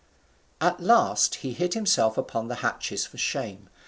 At last he hid himself under the hatches for shame.